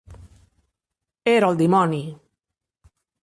Era el dimoni!